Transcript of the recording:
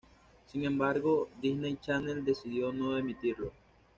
Sin embargo, Disney Channel decidió no emitirlo.